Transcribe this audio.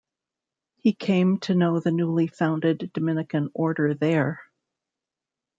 He came to know the newly founded Dominican Order there.